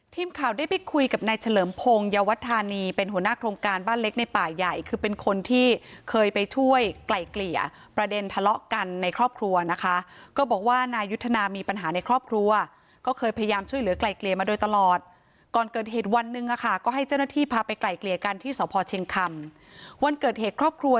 ทีมข่าวได้ไปคุยกับเนวะทานีเป็นหัวหน้าโครงการบ้านเล็กในป่ายใหญ่ก็บอกว่านายุธนามีปัญหาในครอบครัวครอบครัว